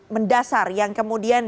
mendasar yang kemudian